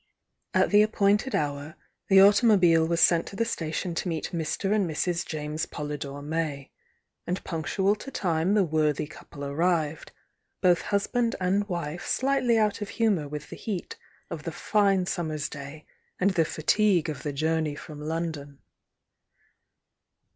At the appointed hour, the automobile was sent to the sta tion to meet Mr. and Mrs. James Polydore May, and punctual to time the worthy couple arrived, both husband and wife slightly out of humour with the heat of the fine summer's day and the fatigue of the journey from London.